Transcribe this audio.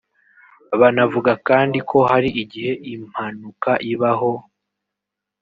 Banavuga kandi ko hari igihe impanuka ibaho